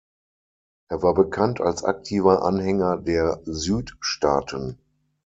Er war bekannt als aktiver Anhänger der Südstaaten.